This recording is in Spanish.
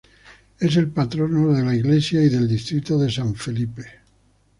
Es el patrono de la iglesia y del distrito de San Felipe.